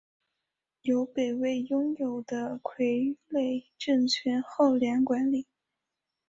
由北周拥立的傀儡政权后梁管理。